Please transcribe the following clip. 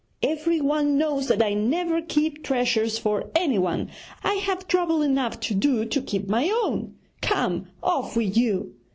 Every one knows that I never keep treasures for anyone; I have trouble enough to do to keep my own! Come, off with you!'